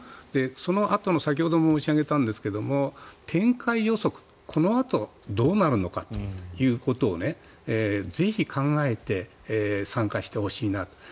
そのあとの先ほども申し上げたんですが展開予測、このあとどうなるのかということをぜひ考えて参加してほしいなと。